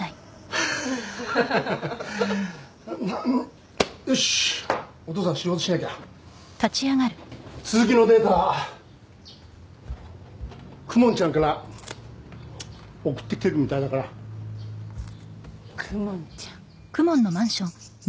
はっははははっよしお父さん仕事しなきゃ続きのデータ公文ちゃんから送ってきてるみたいだから公文ちゃん？